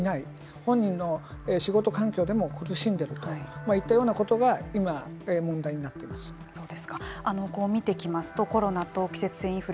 本人の仕事環境でも苦しんでるといったようなことが見ていきますとコロナと季節性インフル